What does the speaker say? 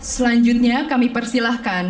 selanjutnya kami persilahkan